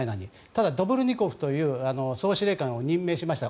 ただ、ドボルニコフという総司令官を任命しました。